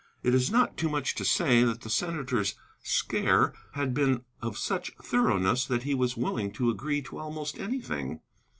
It is not too much to say that the senator's scare had been of such thoroughness that he was willing to agree to almost anything.